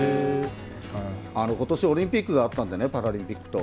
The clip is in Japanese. ことし、オリンピックがあったんでねパラリンピックと。